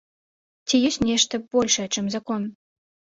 Ці ёсць нешта большае, чым закон?